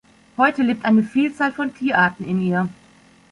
Heute lebt eine Vielzahl von Tierarten in ihr.